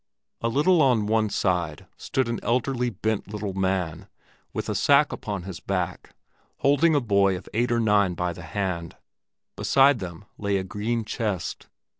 A little on one side stood an elderly, bent little man with a sack upon his back, holding a boy of eight or nine by the hand; beside them lay a green chest.